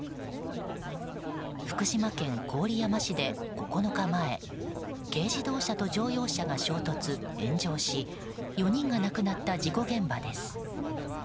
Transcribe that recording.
福島県郡山市で９日前軽自動車と乗用車が衝突・炎上し４人が亡くなった事故現場です。